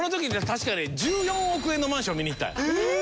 確かね１４億円のマンションを見に行った。